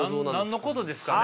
何のことですかね？